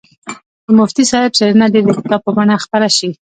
د مفتي صاحب څېړنه دې د کتاب په بڼه خپره شي.